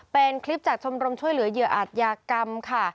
เป็นคลิปจากชมรมช่วยเหลือเหยื่ออาจยากรรมค่ะ